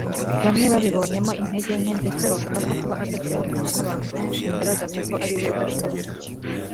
bamwe babibonyemo intege nke ndetse bavuga ko kuba adashobokana n’abantu benshi bigaragaza ko ari we udashobotse